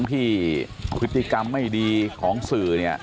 ทหารสีหรอ